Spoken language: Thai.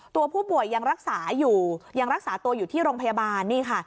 ตัวผู้ป่วยยังรักษาอยู่ยังรักษาตัวอยู่ที่โรงพยาบาลนี่ค่ะ